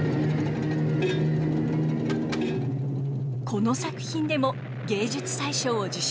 この作品でも芸術祭賞を受賞。